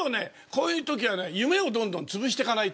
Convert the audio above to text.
こういう時はね夢をどんどん潰していかないと。